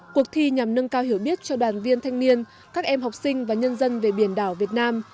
cuộc thi nhằm nâng cao hiểu biết cho đoàn viên thanh niên các em học sinh và nhân dân về biển đảo việt nam